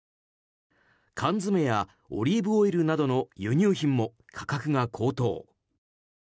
缶詰やオリーブオイルなどの輸入品も価格が高騰。